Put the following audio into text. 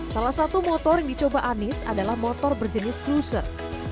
salah satu motor yang dicoba anies adalah motor berjenis cruiser